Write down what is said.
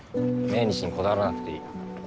命日にこだわらなくていい。